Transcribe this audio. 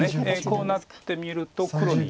こうなってみると黒に。